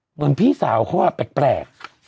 เหมือนพี่สาวเขาแปลก